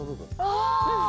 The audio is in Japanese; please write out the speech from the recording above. ああ！